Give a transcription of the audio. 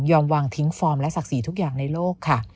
วางทิ้งฟอร์มและศักดิ์ศรีทุกอย่างในโลกค่ะ